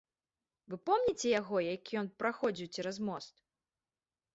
Вы помніце яго, як ён праходзіў цераз мост?